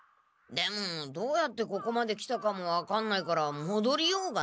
でもどうやってここまで来たかも分かんないからもどりようがない。